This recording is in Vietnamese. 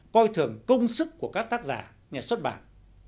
coi thường công sức của các tác giả nhà xuất bản